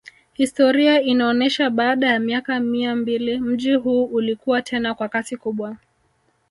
Historia inaonesha baada ya miaka mia mbili mji huu ulikuwa tena kwa kasi kubwa